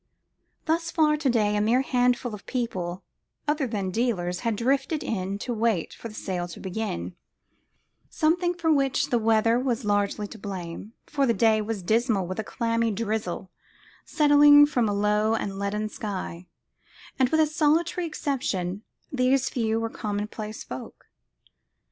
Thus far to day a mere handful of people other than dealers had drifted in to wait for the sale to begin—something for which the weather was largely to blame, for the day was dismal with a clammy drizzle settling from a low and leaden sky—and with a solitary exception these few were commonplace folk.